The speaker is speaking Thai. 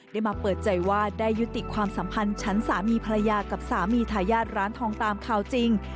ได้มาเปิดใจว่าได้ยุติความสัมพันธ์ชั้นสามีภรรยากับสามีทายาทร้านทองตามข่าวจริง